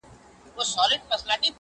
په نامه د شیرنۍ حرام نه خورمه.